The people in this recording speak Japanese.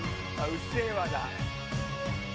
「うっせぇわ」だ。